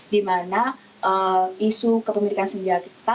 di mana isu kepemilikan senjata kita